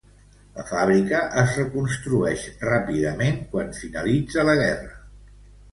La fàbrica es reconstruïx ràpidament quan finalitza la guerra.